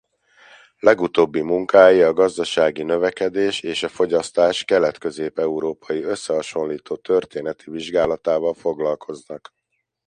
Legutóbbi munkái a gazdasági növekedés és a fogyasztás kelet-közép-európai összehasonlító történeti vizsgálatával foglalkoznak.